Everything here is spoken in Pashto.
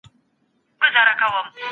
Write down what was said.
د فرهنګ درک تبعیض کموي.